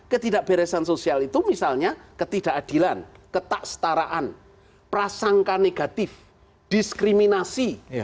ketidakberesan sosial itu misalnya ketidakadilan ketakstaraan prasangka negatif diskriminasi